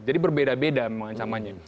jadi berbeda beda memang ancamannya